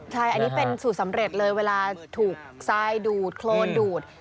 ใช่อันนี้เป็นสูตรสำเร็จเลยเวลาถูกทรายดูดโครนดูด